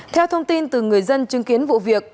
theo thông tin từ người dân chứng kiến vụ việc